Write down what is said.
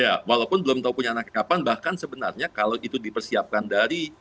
ya walaupun belum tahu punya anak kapan bahkan sebenarnya kalau itu dipersiapkan dari